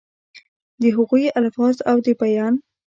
دَ هغوي الفاظ او دَ بيان